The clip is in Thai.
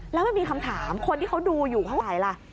แล้วมันมีคำถามคนที่เขาดูอยู่เท่าไหร่ล่ะ